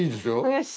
よし！